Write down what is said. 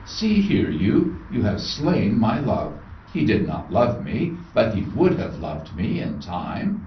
See here, you! You have slain my love. He did not love me, but he would have loved me in time.